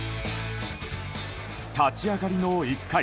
立ち上がりの１回。